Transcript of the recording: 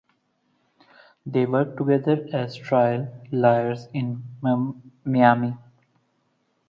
They work together as trial lawyers in Miami.